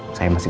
kecuali apa apa